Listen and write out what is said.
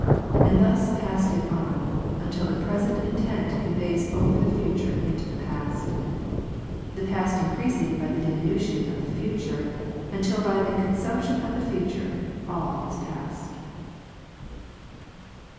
And thus passeth it on, until the present intent conveys over the future into the past ; the past increasing by the diminution of the future, until by the consumption of the future, all is past.